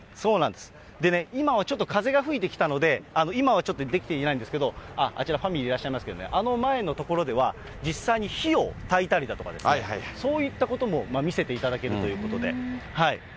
今、風が吹いてきたので、今はちょっとできていないんですけど、あちらファミリーいらっしゃいますけれどもね、あの前の所では、実際に火をたいたりだとかですね、そういったことも見せていただけるということで。